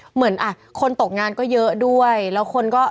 เหมือนอ่ะคนตกงานก็เยอะด้วยแล้วคนก็